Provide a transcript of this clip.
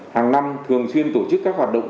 hàng năm thường xuyên tổ chức các hoạt động